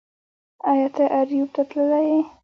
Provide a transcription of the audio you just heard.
ایا ته اریوب ته تللی یې